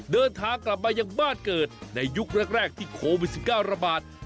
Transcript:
เดินทางกลับมายังบ้านเกิดในยุคแรกที่โควิด๑๙ระบาด